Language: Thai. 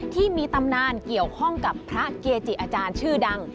ที่มีตำนานเกี่ยวข้องกับพระเกจิอาจารย์ชื่อดัง